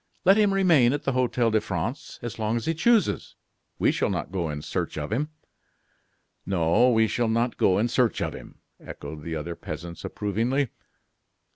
"Let him remain at the Hotel de France as long as he chooses; we shall not go in search of him." "No! we shall not go in search of him," echoed the other peasants, approvingly.